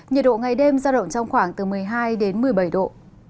nhiệt độ ngày đêm ra động trong khoảng một mươi hai một mươi bảy độ